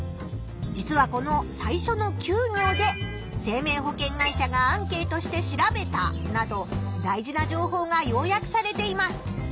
実はこの最初の９行で「生命保険会社がアンケートして調べた」など大事な情報が要約されています。